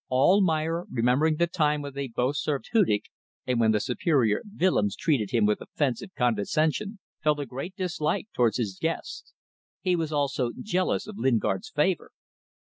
Almayer, remembering the time when they both served Hudig, and when the superior Willems treated him with offensive condescension, felt a great dislike towards his guest. He was also jealous of Lingard's favour.